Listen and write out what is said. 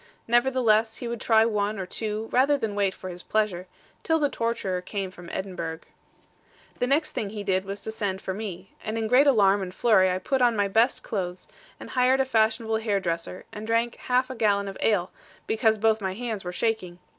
Nevertheless he would try one or two, rather than wait for his pleasure, till the torturer came from Edinburgh. The next thing he did was to send for me; and in great alarm and flurry I put on my best clothes, and hired a fashionable hairdresser, and drank half a gallon of ale, because both my hands were shaking.